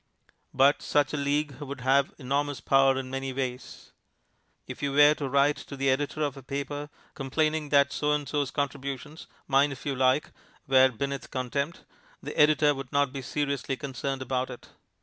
But such a League would have enormous power in many ways. If you were to write to the editor of a paper complaining that So and So's contributions (mine, if you like) were beneath contempt, the editor would not be seriously concerned about it.